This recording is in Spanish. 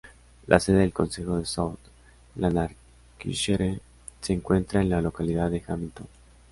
La sede del consejo de South Lanarkshire se encuentra en la localidad de Hamilton.